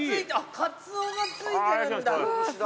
かつおが付いてるんだ。